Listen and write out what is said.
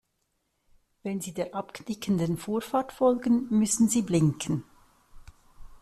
Wenn Sie der abknickenden Vorfahrt folgen, müssen Sie blinken.